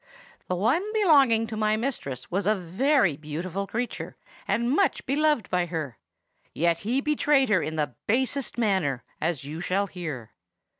The one belonging to my mistress was a very beautiful creature, and much beloved by her, yet he betrayed her in the basest manner, as you shall hear.